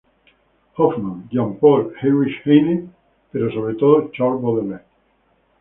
Hoffmann, Jean Paul, Heinrich Heine, pero sobre todo Charles Baudelaire.